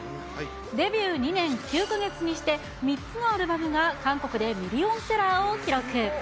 デビュー２年９か月にして、３つのアルバムが韓国でミリオンセラーを記録。